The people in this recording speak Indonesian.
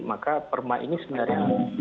maka perma ini sebenarnya